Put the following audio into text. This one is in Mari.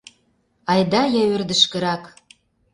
Айда-я ӧрдыжкырак.